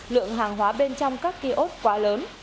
lượng hàng hóa bên trong các kiosk quá lớn